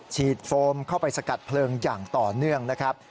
โฟมเข้าไปสกัดเพลิงอย่างต่อเนื่องนะครับ